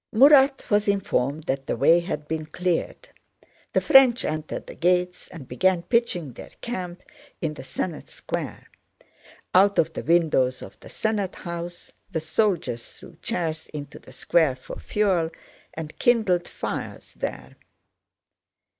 Murat was informed that the way had been cleared. The French entered the gates and began pitching their camp in the Senate Square. Out of the windows of the Senate House the soldiers threw chairs into the Square for fuel and kindled fires there.